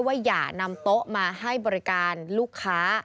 ว่าอย่านำโต๊ะมาให้บริการลูกค้า